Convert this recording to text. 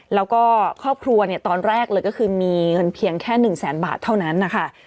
แล้วก็ครอบครัวเนี่ยตอนแรกเลยก็คือมีเงินเพียงแค่๑แสนบาทเท่านั้นนะคะ